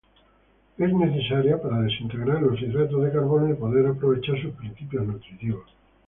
Es necesaria para desintegrar los hidratos de carbono y poder aprovechar sus principios nutritivos.